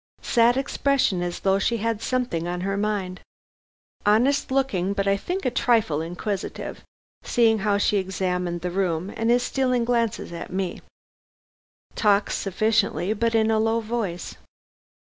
Sad expression, as though she had something on her mind. Honest looking, but I think a trifle inquisitive, seeing how she examined the room and is stealing glances at me. Talks sufficiently, but in a low voice.